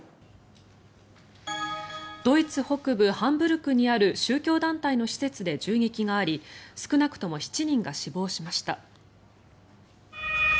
ドイツ北部ハンブルクにある宗教団体の施設で銃撃があり少なくとも７人が死亡しました。